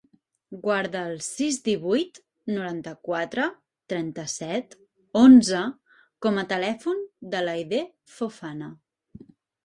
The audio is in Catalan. Guarda el sis, divuit, noranta-quatre, trenta-set, onze com a telèfon de l'Aidé Fofana.